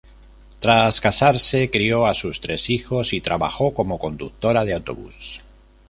Tras casarse, crio a sus tres hijos y trabajó como conductora de autobús.